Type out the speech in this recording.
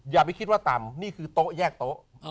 อย่าไปคิดว่าต่ำนี่คือโต๊ะแยกโต๊ะ